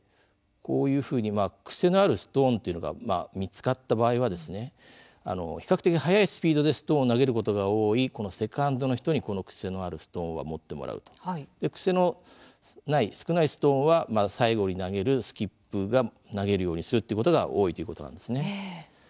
癖のあるストーンが見つかった場合は比較的速いスピードですと投げることが多いセカンドの人に癖のあるストーンを持ってもらう癖のつかないストーンは最後に投げるスキップが投げるようにするということが多いということです。